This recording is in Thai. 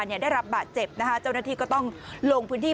ได้รับบาดเจ็บนะคะเจ้าหน้าที่ก็ต้องลงพื้นที่